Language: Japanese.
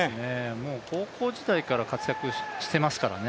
もう高校時代から活躍していますからね。